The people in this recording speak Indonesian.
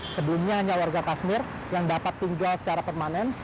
sebelumnya hanya warga pasmir yang dapat tinggal secara permanen